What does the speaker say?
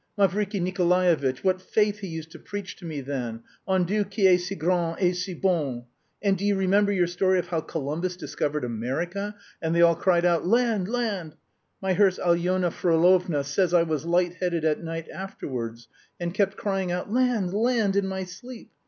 Mavriky Nikolaevitch, what faith he used to preach to me then, en Dieu qui est si grand et si bon! And do you remember your story of how Columbus discovered America, and they all cried out, 'Land! land!'? My nurse Alyona Frolovna says I was light headed at night afterwards, and kept crying out 'land! land!' in my sleep.